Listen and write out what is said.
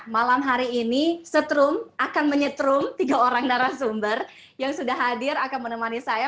malam hari ini setrum akan menyetrum tiga orang narasumber yang sudah hadir akan menemani saya